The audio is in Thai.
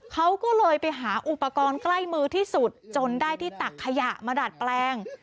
เขาก็เลยไปหาอุปกรณ์ใกล้มือที่สุดจนได้ที่ตักขยะมาดัดแปลง